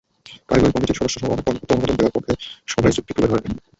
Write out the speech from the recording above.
কারিগরি কমিটির সদস্যসহ অনেক কর্মকর্তা অনুমোদন দেওয়ার পক্ষে সভায় যুক্তিও তুলে ধরেন।